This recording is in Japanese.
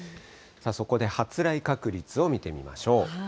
そこで発雷確率を見てみましょう。